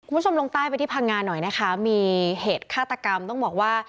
ลงใต้ไปที่พังงาหน่อยนะคะมีเหตุฆาตกรรมต้องบอกว่า